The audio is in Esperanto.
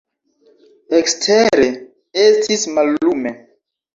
Ekstere estis mallume.